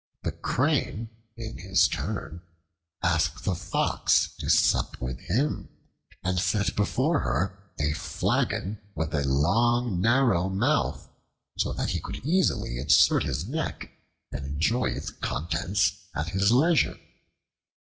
The Crane, in his turn, asked the Fox to sup with him, and set before her a flagon with a long narrow mouth, so that he could easily insert his neck and enjoy its contents at his leisure.